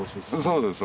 そうです